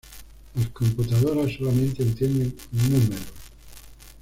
Las computadoras solamente entienden números.